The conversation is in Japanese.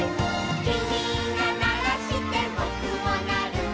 「きみがならしてぼくもなる」